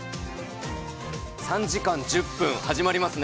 ３時間１０分、始まりますね。